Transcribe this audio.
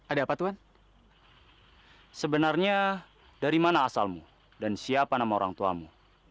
ada apa tuhan sebenarnya dari mana asalmu dan siapa nama orang tuamu